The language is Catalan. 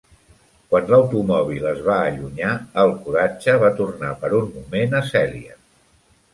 Quan l'automòbil es va allunyar, el coratge va tornar per un moment a Celia.